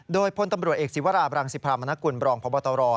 โดยพลตำรวจเอกศิวราบรังสิพรามนกุลบรองพบตร